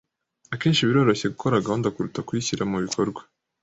Akenshi biroroshye gukora gahunda kuruta kuyishyira mubikorwa.